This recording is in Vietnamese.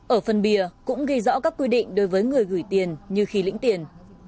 ở phần bìa cũng ghi rõ các quy định đối với người gửi tiền như khi lĩnh tiền